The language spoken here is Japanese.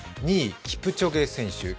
２位、キプチョゲ選手。